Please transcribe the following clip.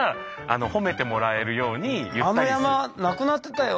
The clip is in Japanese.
「あの山なくなってたよ。